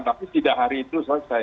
tapi tidak hari itu selesai